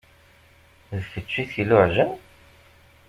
D kečč i t-iluɛjen.